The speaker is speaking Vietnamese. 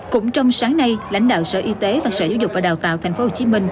cũng trong sáng nay lãnh đạo sở y tế và sở giáo dục và đào tạo tp hcm